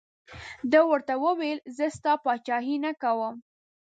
ده ورته وویل زه ستا پاچهي نه کوم.